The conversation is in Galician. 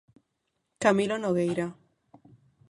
Camilo Nogueira.